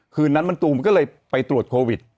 คืนนั้นมันตูมก็เลยไปตรวจโควิด